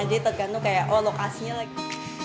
jadi tergantung kayak oh lokasinya lagi